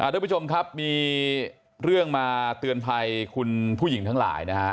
ทุกผู้ชมครับมีเรื่องมาเตือนภัยคุณผู้หญิงทั้งหลายนะฮะ